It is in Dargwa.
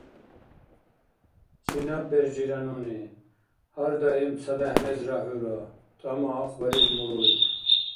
— Чинаб бержира нуни?! Гьар даим цадехӀ мезра хӀура! — тӀама ахъбариб муруй.